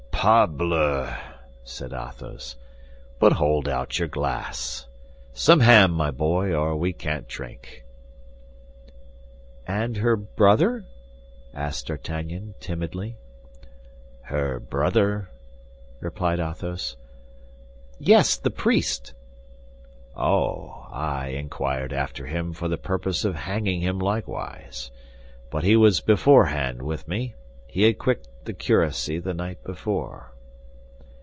"Parbleu!" said Athos. "But hold out your glass. Some ham, my boy, or we can't drink." "And her brother?" added D'Artagnan, timidly. "Her brother?" replied Athos. "Yes, the priest." "Oh, I inquired after him for the purpose of hanging him likewise; but he was beforehand with me, he had quit the curacy the night before."